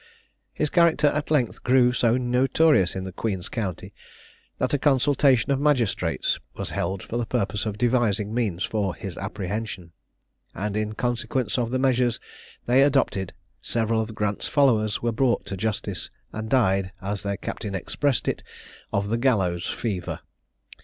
His character at length grew so notorious in the Queen's County, that a consultation of magistrates was held for the purpose of devising means for his apprehension, and in consequence of the measures they adopted several of Grant's followers were brought to justice, and died, as their Captain expressed it, of the "gallows fever."